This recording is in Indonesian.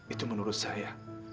itu menurut saya